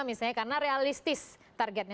misalnya karena realistis targetnya